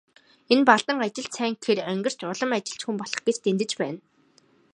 Энэ Балдан ажилд сайн гэхээр онгирч, улам ажилч хүн болох гэж дэндэж байна.